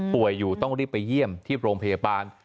ป่วยอยู่ต้องรีบไปเยี่ยมที่โรงพยาบาล